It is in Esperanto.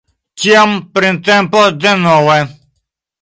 Tiam printempo denove.